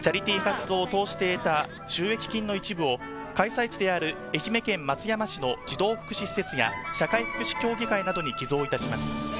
チャリティ活動を通して得た収益金の一部を開催地である愛媛県松山市の児童福祉施設や社会福祉協議会などに寄贈いたします。